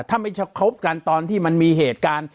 ถ้าไม่คบกันตอนที่มันมีเหตุการณ์